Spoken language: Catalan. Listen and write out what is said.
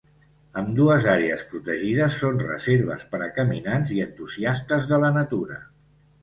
Ambdues àrees protegides són reserves per a caminants i entusiastes de la natura.